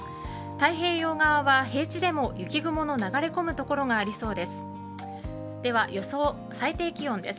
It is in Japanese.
太平洋側は平地でも雪雲の流れ込む所がありそうです。